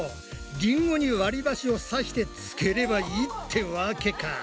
りんごに割りばしを刺してつければいいってわけか！